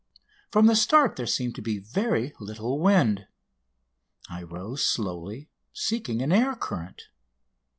From the start there seemed to be very little wind. I rose slowly, seeking an air current.